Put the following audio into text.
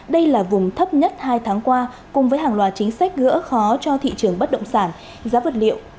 đây là vùng thấp nhất hai tháng qua cùng với hàng loạt chính sách gỡ khó cho thị trường bất động sản giá vật liệu